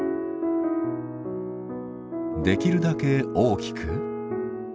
できるだけ大きく。